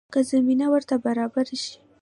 که زمینه ورته برابره شي.